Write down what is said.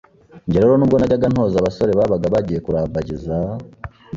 Jye rero n’ubwo najyaga ntoza abasore babaga bagiye kurambagiza